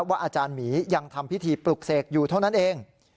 อาจารย์หมียังทำพิธีปลุกเสกอยู่เท่านั้นเอง